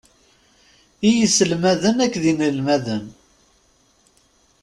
I yiselmaden akked yinelmaden.